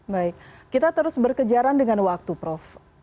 baik kita terus berkejaran dengan waktu prof